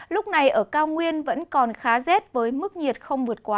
lúc này ở cao nguyên vẫn còn khá rét với mức nhiệt không vượt quá một mươi chín độ